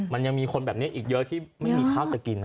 มันยังมีคนแบบนี้อีกเยอะที่ไม่มีข้าวจะกินนะ